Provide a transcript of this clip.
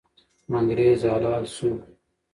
انګریز حلال سو.